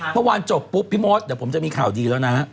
เมื่อวานจบปุ๊บพี่มดเดี๋ยวผมจะมีข่าวดีแล้วนะฮะ